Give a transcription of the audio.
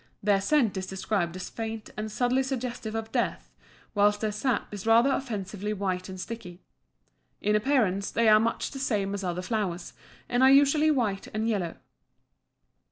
Their scent is described as faint and subtly suggestive of death, whilst their sap is rather offensively white and sticky. In appearance they are much the same as other flowers, and are usually white and yellow.